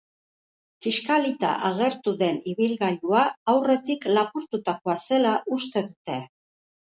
Kiskalita agertu den ibilgailua aurretik lapurtutakoa zela uste dute.